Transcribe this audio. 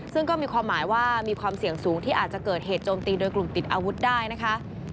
ซึ่งก็มีความหมายว่ามีความเสี่ยงสูงที่อาจจะเกิดเหตุโจมตีโดยกลุ่มติดอาวุธได้นะคะ